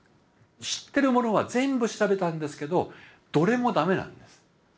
知ってるものは全部調べたんですけどどれもダメなんです。